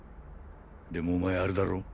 でもお前アレだろ？